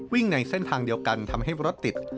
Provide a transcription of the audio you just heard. ในเส้นทางเดียวกันทำให้รถติด